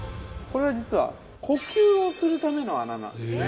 これ、実は呼吸をするための穴なんです。